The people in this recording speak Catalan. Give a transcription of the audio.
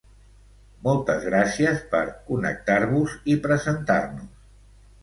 Moltes gràcies per connectar-vos i presentar-nos!